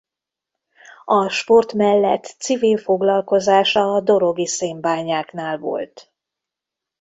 A sport mellett civil foglalkozása a Dorogi Szénbányáknál volt.